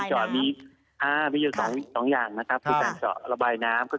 ใช้คำให้เข้าใจกัน